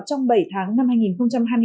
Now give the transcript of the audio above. trong bảy tháng năm hai nghìn hai mươi ba